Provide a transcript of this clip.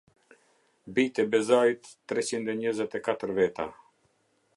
Bijtë e Bezait, treqind e njëzet e katër veta.